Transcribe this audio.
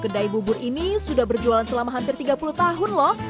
kedai bubur ini sudah berjualan selama hampir tiga puluh tahun loh